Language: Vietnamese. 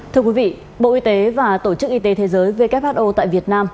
thưa quý vị bộ y tế và tổ chức y tế thế giới who tại việt nam